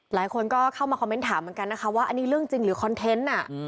หลายคนก็เข้ามาคอมเมนต์ถามเหมือนกันนะคะว่าอันนี้เรื่องจริงหรือคอนเทนต์